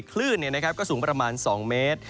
คลื่นก็สูงประมาณ๒เมตร